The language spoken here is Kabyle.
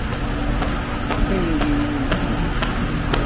D tayri-nni n tidet.